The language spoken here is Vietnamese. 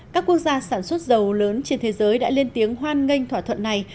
các quốc gia sản xuất dầu lớn trên thế giới đã lên tiếng hoan nghênh thỏa thuận này